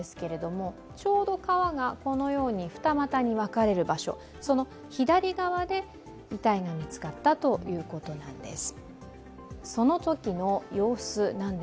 ちょうど川が二股に分かれる場所、その左側で遺体が見つかったということなんです。